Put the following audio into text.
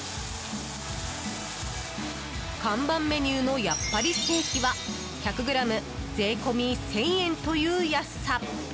看板メニューのやっぱりステーキは１００ｇ、税込み１０００円という安さ。